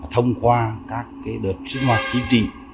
thông qua các đợt sinh hoạt chính trị